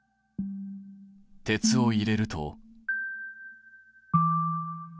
鉄を入れると。